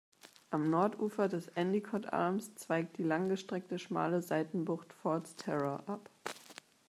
Am Nordufer des Endicott Arms zweigt die langgestreckte schmale Seitenbucht Fords Terror ab.